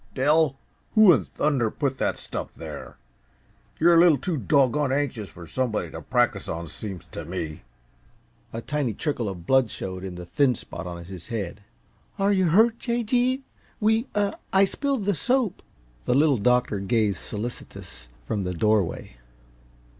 "Dell, who in thunder put that stuff there? You're a little too doggoned anxious for somebody t' practice on, seems t' me." A tiny trickle of blood showed in the thin spot on his head. "Are you hurt, J. G.? We I spilled the soap." The Little Doctor gazed solicitous, from the doorway.